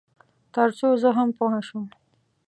تر څو زه هم پوه شم.